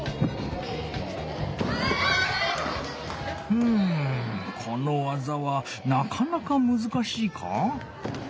うんこの技はなかなかむずかしいか？